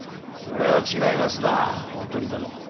それは違いますな大鳥殿。